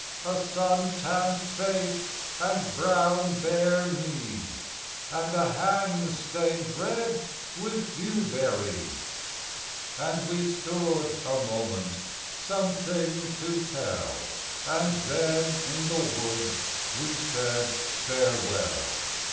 A sun tanned face and brown bare knees, And a hand stained red with dewberries. And we stood a moment some thing to tell, And then in the woods we said farewell.